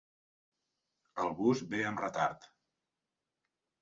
El bus ve amb retard.